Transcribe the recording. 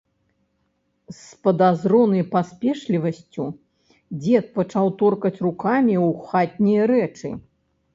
З падазронай паспешлівасцю дзед пачаў торкаць рукамі ў хатнія рэчы.